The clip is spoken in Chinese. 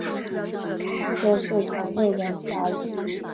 曹协是曹魏文帝儿子。